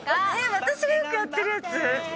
私がよくやってるやつ。